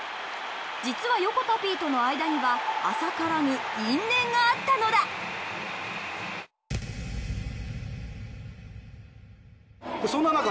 実は横田Ｐとの間には浅からぬ因縁があったのだそんななか